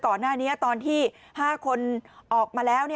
ก่อนหน้านี้ตอนที่๕คนออกมาแล้ว